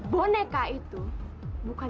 boneka itu bukan